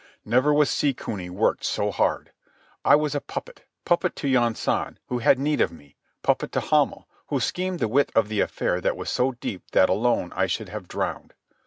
Never was sea cuny worked so hard. I was a puppet—puppet to Yunsan, who had need of me; puppet to Hamel, who schemed the wit of the affair that was so deep that alone I should have drowned.